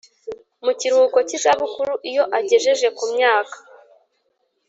mu kiruhuko cy izabukuru iyo agejeje ku myaka